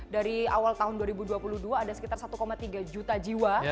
dari awal tahun dua ribu dua puluh dua ada sekitar satu tiga juta jiwa